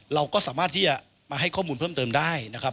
เราก็สามารถที่จะมาให้ข้อมูลเพิ่มเติมได้นะครับ